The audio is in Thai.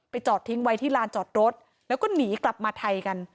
จอดทิ้งไว้ที่ลานจอดรถแล้วก็หนีกลับมาไทยกัน